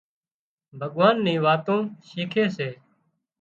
ڀُڳوان ني واتون شيکي سي